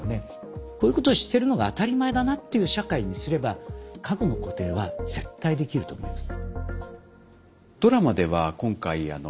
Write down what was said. こういうことをしてるのが当たり前だなっていう社会にすれば家具の固定は絶対できると思います。